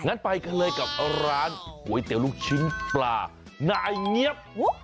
งั้นไปกันเลยกับร้านก๋วยเตี๋ยวลูกชิ้นปลานายเงี๊ยบ